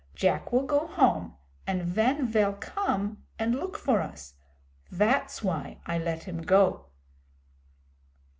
Jack will go home, and ven vey'll come and look for us. Vat's why I let him go.'